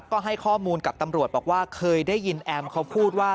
ก็ให้ข้อมูลกับตำรวจบอกว่าเคยได้ยินแอมเขาพูดว่า